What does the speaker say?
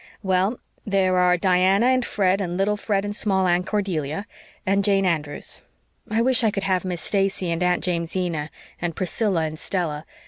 "Well, there are Diana and Fred and little Fred and Small Anne Cordelia and Jane Andrews. I wish I could have Miss Stacey and Aunt Jamesina and Priscilla and Stella.